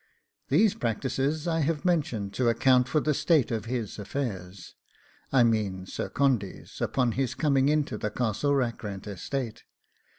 These practices I have mentioned to account for the state of his affairs I mean Sir Condy's upon his coming into the Castle Rackrent estate.